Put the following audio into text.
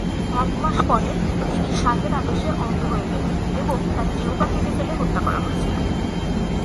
এক মাস পরে তিনি শাহের আদেশে অন্ধ হয়ে গেলেন এবং তার জিহ্বা কেটে ফেলে হত্যা করা হয়েছিল।